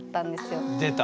出た。